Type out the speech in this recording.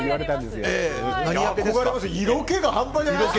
色気が半端ない。